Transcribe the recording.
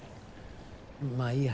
まあいいや。